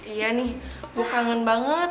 iya nih gue kangen banget